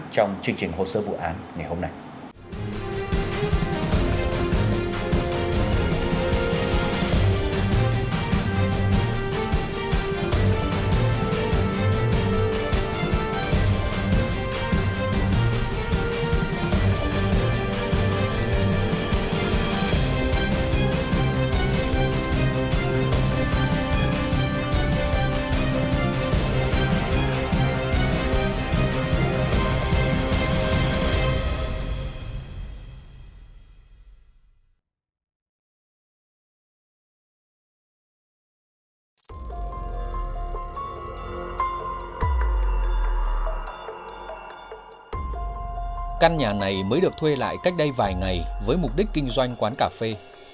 căn nhà này mới được thuê lại cách đây vài ngày với mục đích kinh doanh quán cà phê